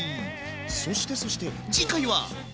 そしてそして次回は？